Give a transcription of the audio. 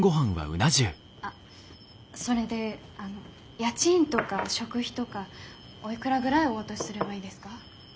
あっそれで家賃とか食費とかおいくらぐらいお渡しすればいいですか？